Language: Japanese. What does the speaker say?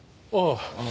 ああ。